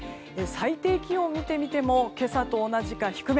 最低気温を見てみても今朝と同じか低め。